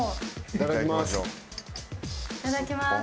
いただきます。